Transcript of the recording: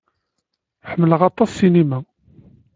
Ḥemmleɣ aṭas ssinima.